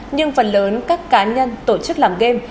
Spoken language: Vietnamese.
nhưng phần lớn các cá nhân tổ chức làm game